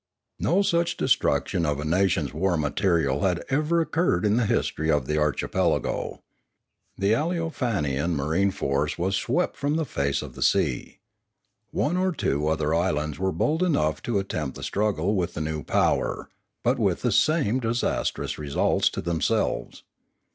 No such destruction of a nation's war material had ever occurred in the history of the archipelago. The Aleofanian marine force was swept from the face of the sea. One or two other islands were bold enough to attempt the struggle with the new power, but with the same disastrous results to themselves.